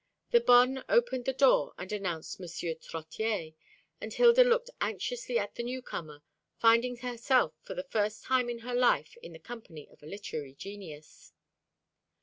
The bonne opened the door and announced "M. Trottier," and Hilda looked anxiously at the newcomer, finding herself for the first time in her life in the company of a literary genius.